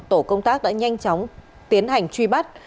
tổ công tác đã nhanh chóng tiến hành truy bắt